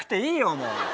もう。